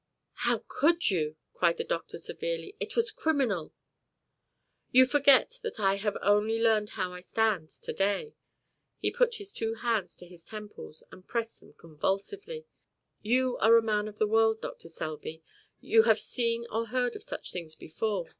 "How could you?" cried the doctor severely. "It was criminal." "You forget that I have only learned how I stand to day." He put his two hands to his temples and pressed them convulsively. "You are a man of the world, Dr. Selby. You have seen or heard of such things before.